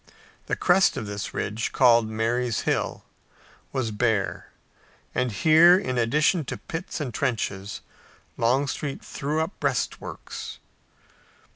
The crest of this ridge, called Marye's Hill, was bare, and here, in addition to the pits and trenches, Longstreet threw up breastworks.